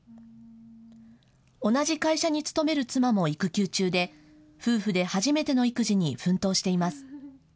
同じ会社に勤める妻も育休中で夫婦で初めての育児に奮闘しています。